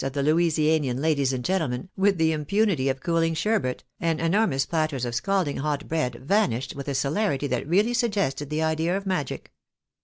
of the Louisianian ladies and gentlemen, witli the impunity of cooling sherbet, and enormous platters of scalding hot bread vanished with a celerity that really suggested the idea of magic.